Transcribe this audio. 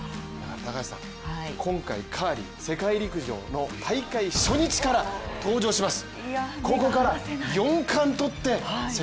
高橋さん、今回カーリー世界陸上の大会初日から登場します。